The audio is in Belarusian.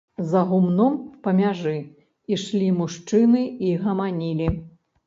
За гумном, па мяжы, ішлі мужчыны і гаманілі.